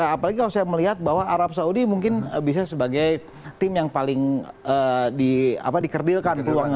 apalagi kalau saya melihat bahwa arab saudi mungkin bisa sebagai tim yang paling dikerdilkan ruangnya